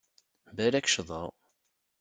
Balak ccḍeɣ.